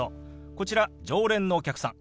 こちら常連のお客さん。